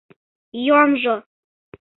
Йомжо...